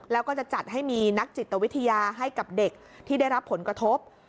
แล้วก็จะจัดให้มีนักจิตวิทยาให้กับเด็กที่ได้รับผลกระทบ